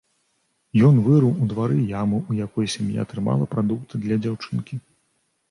Ён вырыў у двары яму, у якой сям'я трымала прадукты для дзяўчынкі.